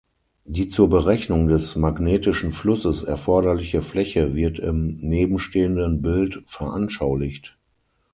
Die zur Berechnung des magnetischen Flusses erforderliche Fläche wird im nebenstehenden Bild veranschaulicht.